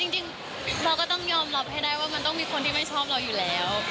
จริงเราก็ต้องยอมรับให้ได้ว่ามันต้องมีคนที่ไม่ชอบเราอยู่แล้ว